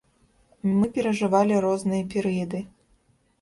Мы перажывалі розныя перыяды.